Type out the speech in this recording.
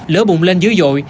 lửa bụng lên dưới dội